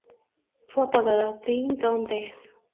Fue apodada "Ten ton Tess".